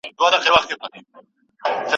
یوه برخه د پرون له رشوتونو